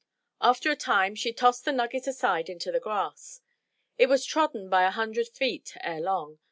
After a time she tossed the nugget aside into the grass. It was trodden by a hundred feet ere long.